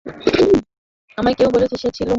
আবার কেউ বলেছেন, সে ছিল মহিলার নিকটাত্মীয় একজন পুরুষ।